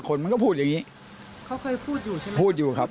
เขาเคยพูดอยู่ใช่ไหมพูดอยู่ครับ